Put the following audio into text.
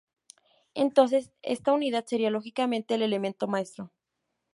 Entonces esta unidad sería lógicamente el elemento maestro.